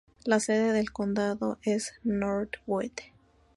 La sede del condado es Northwood.